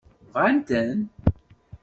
Bɣan-ten?